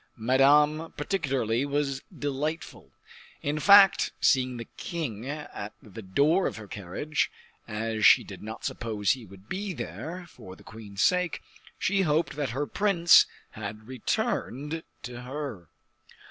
Madame, particularly, was delightful. In fact, seeing the king at the door of her carriage, as she did not suppose he would be there for the queen's sake, she hoped that her prince had returned to her.